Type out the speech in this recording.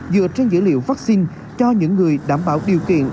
dựa trên dữ liệu vaccine cho những người đảm bảo điều kiện